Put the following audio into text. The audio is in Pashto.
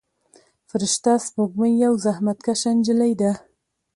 فرشته سپوږمۍ یوه زحمت کشه نجلۍ ده.